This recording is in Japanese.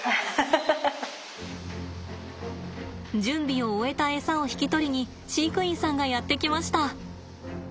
準備を終えたエサを引き取りに飼育員さんがやって来ました。